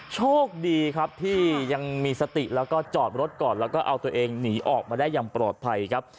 โชคดีครับที่ยังมีสติแล้วก็จอดรถก่อนแล้วก็เอาตัวเองหนีออกมาได้อย่างปลอดภัยครับ